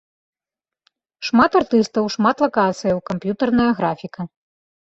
Шмат артыстаў, шмат лакацыяў, камп'ютарная графіка.